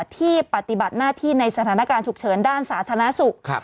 ที่ปฏิบัติหน้าที่ในสถานการณ์ฉุกเฉินด้านสาธารณสุข